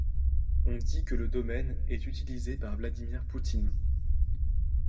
On dit que le domaine est utilise par Vladimir Poutine.